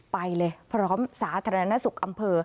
ไปเลยพร้อมสาธารณสุขอำเภอ